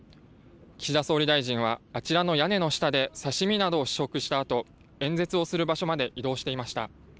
岸田総理大臣はあちらの屋根の下で刺身などを試食したあと演説をする場所まで移動していました。